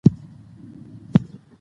سیاسي واک باید محدود وي